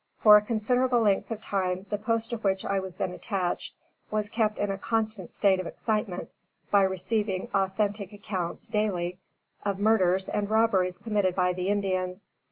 For a considerable length of time the post to which I was then attached, was kept in a constant state of excitement by receiving authentic accounts, daily, of murders and robberies committed by the Indians.